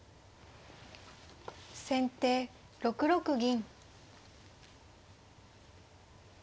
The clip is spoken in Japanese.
先手６六銀。